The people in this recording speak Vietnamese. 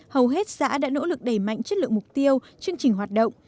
hầu hết xã đã nỗ lực đẩy mạnh chất lượng mục tiêu chương trình hoạt động